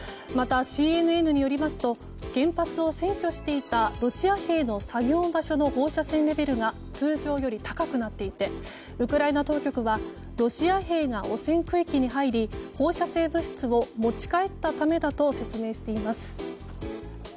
また、ＣＮＮによりますと原発を占拠していたロシア兵の作業場所の放射線レベルが通常より高くなっていてウクライナ当局はロシア兵が汚染区域に入り放射性物質を持ち帰ったためだと説明しています。